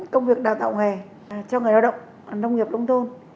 công việc đào tạo nghề cho người lao động nông nghiệp nông thôn